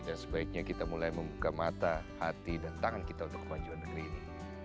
dan sebaiknya kita mulai membuka mata hati dan tangan kita untuk kemanjuan negeri ini